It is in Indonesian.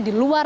dan di luar